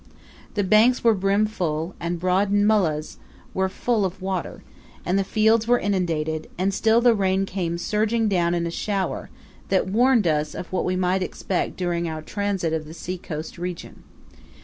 The banks were brimful, and broad nullahs were full of water, and the fields were inundated, and still the rain came surging down in a shower, that warned us of what we might expect during our transit of the sea coast region.